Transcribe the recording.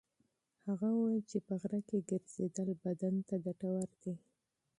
هغه وویل چې په غره کې ګرځېدل بدن ته ګټور دي.